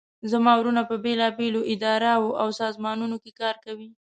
زما وروڼه په بیلابیلو اداراو او سازمانونو کې کار کوي